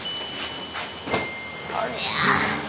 おりゃ！